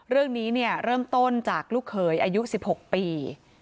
เรื่องนี้เริ่มต้นจากลูกเขยอายุ๑๖ปี